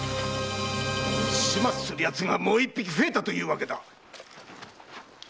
始末する奴がもう一匹増えたというわけだ。